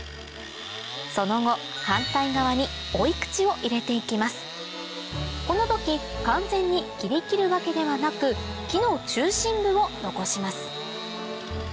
その後この時完全に切りきるわけではなく木の中心部を残します